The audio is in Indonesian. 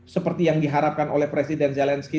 seperti yang diharapkan oleh presiden zelensky